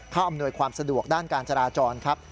อำนวยความสะดวกด้านการจราจรครับ